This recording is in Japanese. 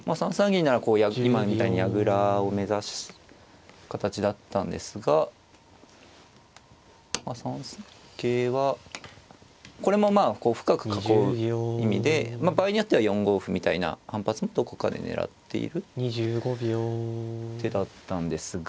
銀なら今みたいに矢倉を目指す形だったんですが３三桂はこれもまあ深く囲う意味で場合によっては４五歩みたいな反発もどこかで狙っている手だったんですが。